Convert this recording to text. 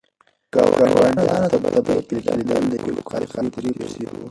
ګاونډیانو ته د دې پېښې لیدل د یوې ښکلې خاطرې په څېر وو.